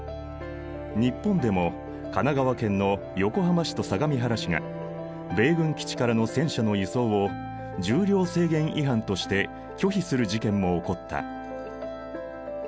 日本でも神奈川県の横浜市と相模原市が米軍基地からの戦車の輸送を重量制限違反として拒否する事件も起こった。